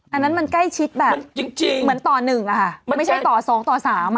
อันนั้นมันใกล้ชิดแบบเหมือนต่อหนึ่งไม่ใช่ต่อสองต่อสาม